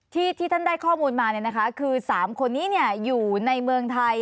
ที่ท่านได้ข้อมูลมาคือ๓คนนี้อยู่ในเมืองไทย